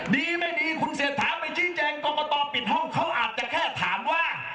ดีไม่ดีคุณเศรษฐาไปชี้แจงกรกตปิดห้องเขาอาจจะแค่ถามว่า